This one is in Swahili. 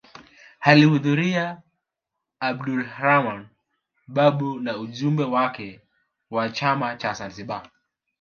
Alihudhuria Abdulrahman Babu na ujumbe wake wa chama cha Zanzibar